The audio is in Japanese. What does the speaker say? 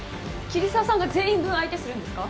桐沢さんが全員分相手するんですか？